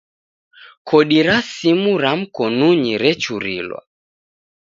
Kodi ra simu ra mkonunyi rechurilwa.